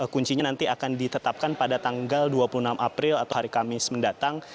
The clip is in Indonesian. kuncinya nanti akan ditetapkan pada tanggal dua puluh enam april atau hari kamis mendatang